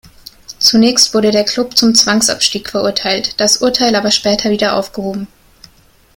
Zunächst wurde der Klub zum Zwangsabstieg verurteilt, das Urteil aber später wieder aufgehoben.